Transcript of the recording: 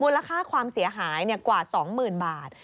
ค่าความเสียหายกว่า๒๐๐๐บาท